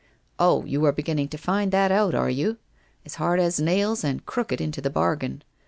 ' Oh, you are beginning to find that out, are you? As hard as nails, and crooked into the bargain.